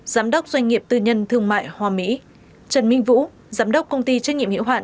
giám đốc doanh nghiệp tư nhân thương mại hoa mỹ trần minh vũ giám đốc công ty trách nhiệm hiệu hạn